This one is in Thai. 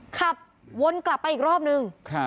ขับวนกลับไปอีกรอบนึง